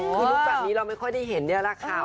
คือลุคแบบนี้เราไม่ค่อยได้เห็นนี่แหละค่ะ